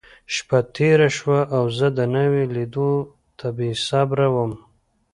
شپه تېره شوه، او زه د ناوې لیدو ته بېصبره وم.